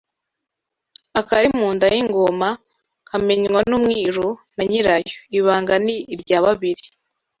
Akari mu nda y’ingoma kamenywa n’umwiru na nyirayo : Ibanga ni irya babiri